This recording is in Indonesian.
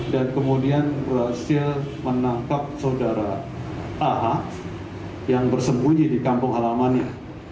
dan kemudian berhasil menangkap saudara aha yang bersembunyi di kampung halamannya